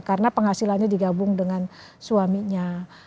karena penghasilannya digabung dengan suaminya